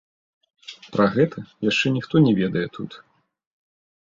Пра гэта яшчэ ніхто не ведае тут.